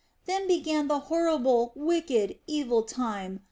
Then began the horrible, wicked, evil time...